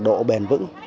hai độ bền vững